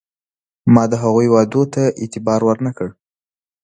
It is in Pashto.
ما د هغوی وعدو ته اعتبار ور نه کړ.